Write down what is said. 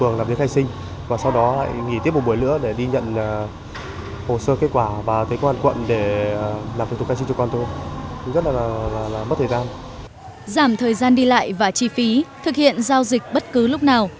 giảm thời gian đi lại và chi phí thực hiện giao dịch bất cứ lúc nào